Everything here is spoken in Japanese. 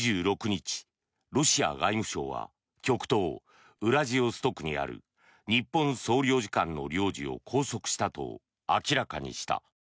２６日、ロシア外務省は極東ウラジオストクにある日本総領事館の領事を拘束したと明らかにした。